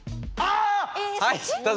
はいどうぞ。